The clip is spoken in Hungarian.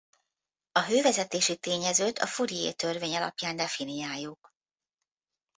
A hővezetési tényezőt a Fourier-törvény alapján definiáljuk.